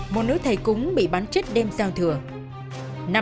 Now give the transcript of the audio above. một nữ thầy cúng bị bắn chết đêm giao thừa